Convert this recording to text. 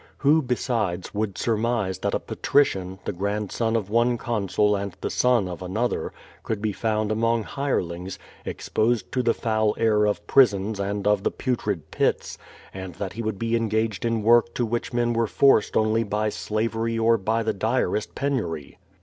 Who, besides, would surmise that a pa trician, the grandson of one consul and the son of anotHer, could be found among hirelings, exposed to the foul air of prisons and of the Putrid Pits, and that he would be engaged in work to which men were forced only by slavery or by the direst penury.